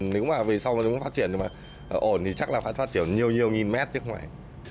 nếu mà về sau nó phát triển được mà ổn thì chắc là phải phát triển nhiều nhiều nghìn mét chứ không phải